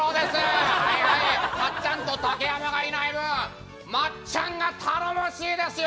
かっちゃんと竹山がいない分まっちゃんが頼もしいですよ！